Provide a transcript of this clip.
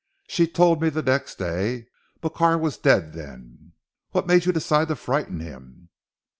She told me the next day. But Carr was dead then." "What made you decide to frighten him?"